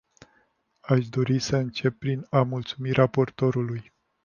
Aș dori să încep prin a mulțumi raportorului.